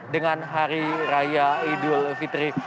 dengan hari raya ini